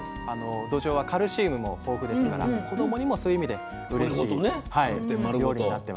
どじょうはカルシウムも豊富ですから子どもにもそういう意味でうれしい料理になってます。